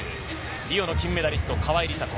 リオの金メダリスト、川井梨紗子。